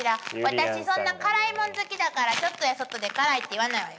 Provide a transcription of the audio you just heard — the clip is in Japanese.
私そんな辛いもん好きだからちょっとやそっとで辛いって言わないわよ。